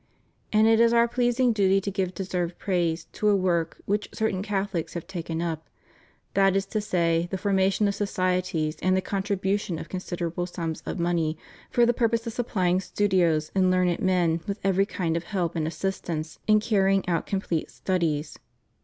And it is Our pleasing duty to give deserved praise to a work which certain Catholics have taken up — that is to say, the formation of societies and the contribution of considerable sums of money for the purpose of sup plying studios and learned men with every kind of help and assistance in carrying out complete studies.